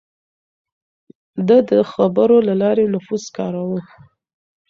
ده د خبرو له لارې نفوذ کاراوه.